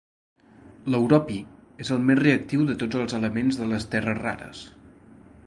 L'europi és el més reactiu de tots els elements de les terres rares.